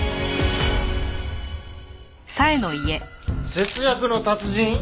節約の達人？